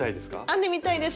編んでみたいです！